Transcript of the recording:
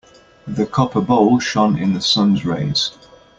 The copper bowl shone in the sun's rays.